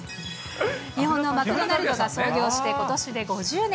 日本のマクドナルドが創業してことしで５０年。